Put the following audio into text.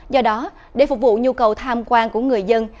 do đó để phục vụ nhu cầu tham quan của người dân